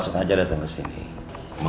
engkau minta karir